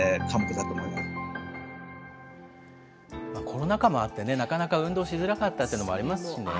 コロナ禍もあって、なかなか運動しづらかったというのもありますしね。